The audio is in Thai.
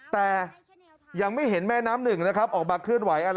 แต่ยังไม่เห็นแม่น้ำหนึ่งนะครับออกมาเคลื่อนไหวอะไร